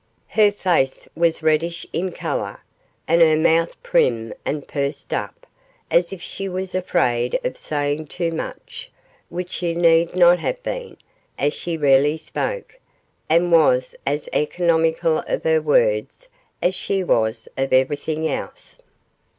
Her face was reddish in colour, and her mouth prim and pursed up, as if she was afraid of saying too much, which she need not have been, as she rarely spoke, and was as economical of her words as she was of everything else.